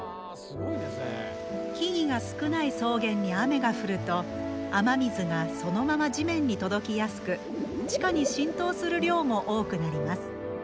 木々が少ない草原に雨が降ると雨水がそのまま地面に届きやすく地下に浸透する量も多くなります。